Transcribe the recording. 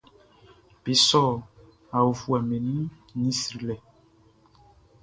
Be sɔ aofuɛʼm be nun srilɛ nun.